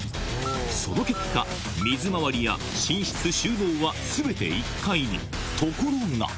その結果水回りや寝室収納は全て１階にところが！